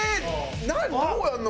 どうやるの？